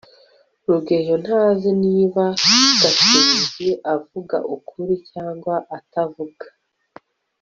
rugeyo ntazi niba gashinzi avuga ukuri cyangwa atavuga